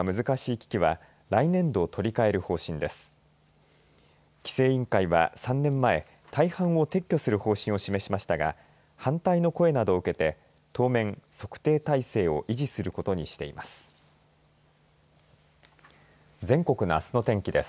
規制委員会は３年前大半を撤去する方針を示しましたが反対の声などを受けて当面測定態勢を維持することにしています。